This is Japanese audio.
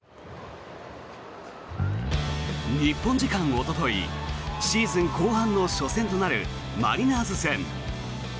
日本時間おとといシーズン後半の初戦となるマリナーズ戦。